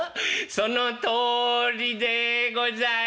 そのとりでござい」。